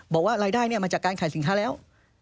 บอกว่ารายได้มาจากการขายสินค้าแล้ว